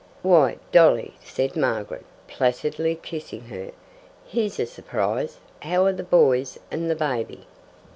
"Why, Dolly!" said Margaret, placidly kissing her. "Here's a surprise! How are the boys and the baby?"